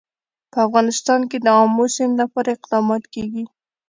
په افغانستان کې د آمو سیند لپاره اقدامات کېږي.